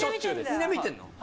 みんな見てんの？